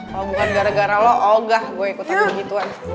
kalo bukan gara gara lo oh gak gue ikutan begituan